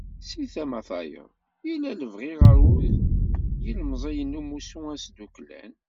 Si tama tayeḍ, yella lebɣi ɣur yilemẓiyen n umussu asdukklan.